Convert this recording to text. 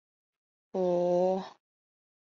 是痛苦之呻吟？